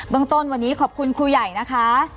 เมืองต้นวันนี้ขอบคุณครูใหญ่นะคะ